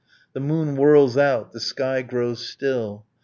The moon whirls out. The sky grows still.